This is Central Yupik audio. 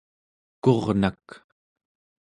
kurnak